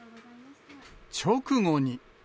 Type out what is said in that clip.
直後に。